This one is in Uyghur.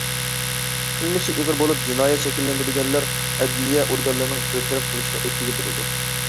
قىلمىشى ئېغىر بولۇپ جىنايەت شەكىللەندۈرگەنلەر ئەدلىيە ئورگانلىرىنىڭ بىر تەرەپ قىلىشىغا ئۆتكۈزۈپ بېرىلىدۇ.